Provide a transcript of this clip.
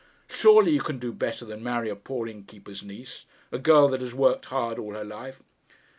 Surely you can do better than marry a poor innkeeper's niece a girl that has worked hard all her life?'